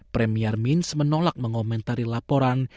premier mins menolak mengomentari laporan